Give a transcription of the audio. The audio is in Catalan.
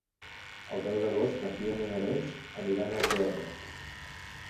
El deu d'agost na Fiona i na Neus aniran al teatre.